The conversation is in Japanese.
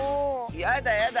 やだやだ